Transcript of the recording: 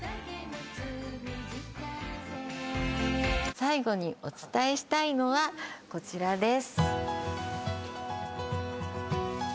最後にお伝えしたいのはこちらです